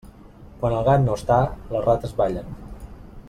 Quan el gat no està, les rates ballen.